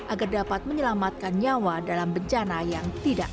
agar dapat menyelamatkan nyawa dalam bencana yang tidak